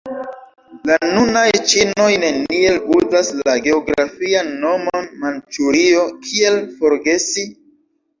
La nunaj ĉinoj neniel uzas la geografian nomon Manĉurio – kiel forgesi?